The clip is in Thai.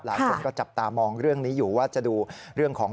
หลายคนก็จับตามองเรื่องนี้อยู่ว่าจะดูเรื่องของ